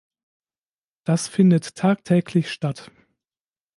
Das findet tagtäglich statt.